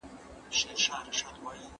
هغوی په مالي پلان کې تېروتنه کړې وه.